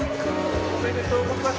おめでとうございます。